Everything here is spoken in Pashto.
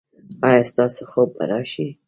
ایا ستاسو خوب به راشي؟